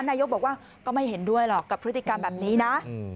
นายกบอกว่าก็ไม่เห็นด้วยหรอกกับพฤติกรรมแบบนี้นะ